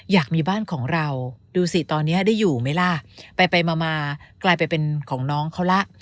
อยากมีบ้านของเราดูสิตอนนี้ได้อยู่ไหมล่ะไปไปมากลายไปเป็นของน้องเขาละ